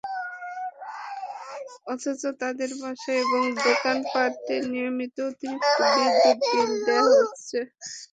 অথচ তাঁদের বাসায় এবং দোকানপাটে নিয়মিত অতিরিক্ত বিদ্যুৎ বিল দেওয়া হচ্ছে।